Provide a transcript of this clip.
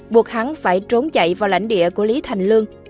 buộc hắn phải trốn chạy vào lãnh địa của lý thành lương